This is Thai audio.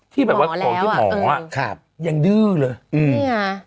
หมอแล้วอ่ะเออหมออะครับยังดื้อเลยอืมนี่ไง